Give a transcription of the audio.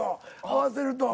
合わせると。